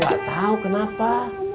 saya juga gak tau kenapa